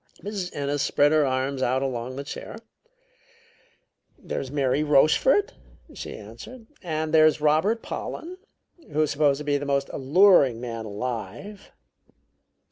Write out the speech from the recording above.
Mrs. Ennis spread her arms out along the chair. "There's Mary Rochefort," she answered, "and there's Robert Pollen, who's supposed to be the most alluring man alive."